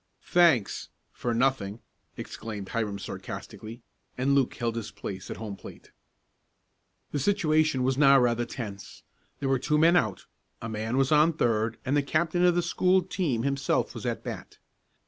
"Thanks for nothing!" exclaimed Hiram sarcastically, and Luke held his place at home plate. The situation was now rather tense. There were two men out, a man was on third and the captain of the school team himself was at bat.